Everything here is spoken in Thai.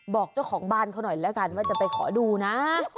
บอกเจ้าของบ้านเขาหน่อยแล้วกันว่าจะไปขอดูนะ